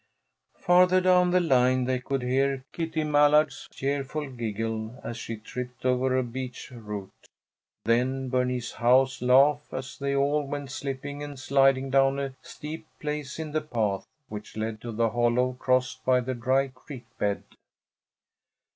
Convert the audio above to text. Farther down the line they could hear Katie Mallard's cheerful giggle as she tripped over a beech root, then Bernice Howe's laugh as they all went slipping and sliding down a steep place in the path which led to the hollow crossed by the dry creek bed.